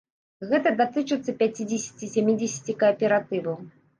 Гэта датычыцца пяцідзесяці-сямідзесяці кааператываў.